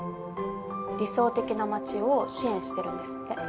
理想的な街を支援してるんですって。